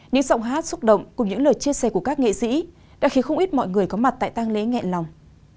những giọng hát xúc động cùng những lời chia sẻ của các nghệ sĩ đã khiến không ít mọi người có mặt tại tăng lễ nhẹ lòng